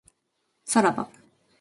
さらば